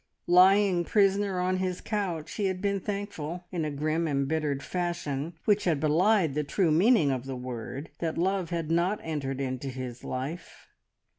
Lying prisoner on his couch, he had been thankful, in a grim, embittered fashion which had belied the true meaning of the word, that love had not entered into his life.